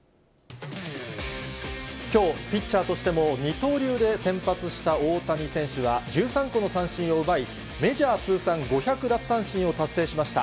きょう、ピッチャーとしても二刀流で先発した大谷選手は、１３個の三振を奪い、メジャー通算５００奪三振を達成しました。